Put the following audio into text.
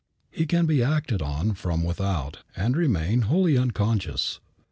He can be acted on from without and remain wholly unconscious.